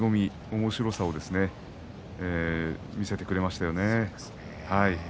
おもしろさを見せてくれましたよね。